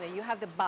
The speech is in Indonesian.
saya juga perhatikan